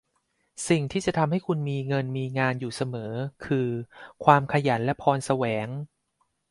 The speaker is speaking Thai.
สิ่งที่จะทำให้คุณมีเงินมีงานอยู่เสมอคือความขยันและพรแสวง